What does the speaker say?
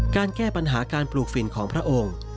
การแก้ปัญหาการปลูกฝิ่นของพระองค์